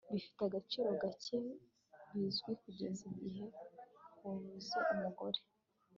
bifite agaciro gake bizwi kugeza igihe wabuze umugore